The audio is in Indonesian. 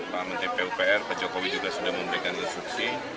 pak menteri pupr pak jokowi juga sudah memberikan instruksi